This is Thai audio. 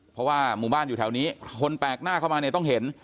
เพราะว่าหมู่บ้านอยู่แถวนี้คนแปลกหน้าเข้ามาเนี่ยต้องเห็น